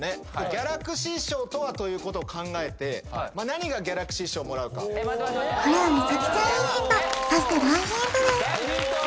ギャラクシー賞とはということを考えて何がギャラクシー賞をもらうかこれはメチャクチャいいヒントそして大ヒントです